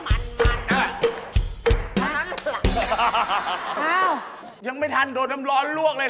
พี่เดียวเอาเราอีกแล้ว